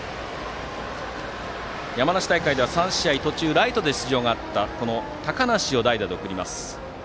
山梨大会ではライトで出場があった高梨を代打で送ります。